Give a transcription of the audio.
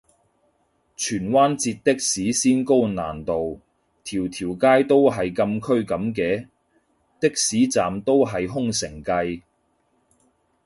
荃灣截的士先高難度，條條街都係禁區噉嘅？的士站都係空城計